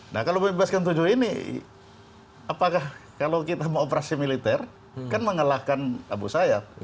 nah kalau bebaskan tujuh ini apakah kalau kita mau operasi militer kan mengalahkan abu sayyaf